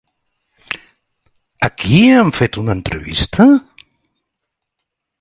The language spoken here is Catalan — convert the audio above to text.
A qui han fet una entrevista?